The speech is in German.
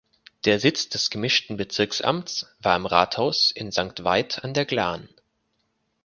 Der Sitz des Gemischten Bezirksamts war im Rathaus in Sankt Veit an der Glan.